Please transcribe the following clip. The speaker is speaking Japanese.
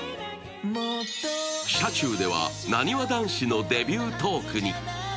車中では、なにわ男子のデビュートークに。